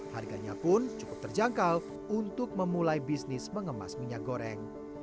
harganya pun cukup terjangkau untuk memulai bisnis mengemas minyak goreng